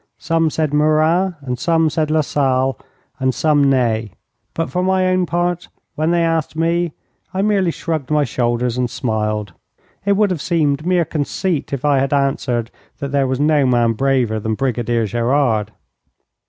Some said Murat, and some said Lasalle, and some Ney; but for my own part, when they asked me, I merely shrugged my shoulders and smiled. It would have seemed mere conceit if I had answered that there was no man braver than Brigadier Gerard.